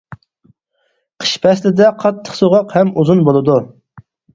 قىش پەسلىدە قاتتىق سوغۇق ھەم ئۇزۇن بولىدۇ.